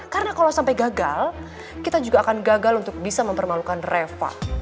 karena kalau sampai gagal kita juga akan gagal untuk bisa mempermalukan reva